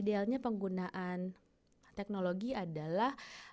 idealnya penggunaan teknologi adalah